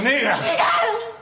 違う！